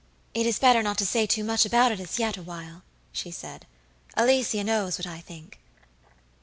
"It is better not to say too much about it as yet awhile," she said; "Alicia knows what I think."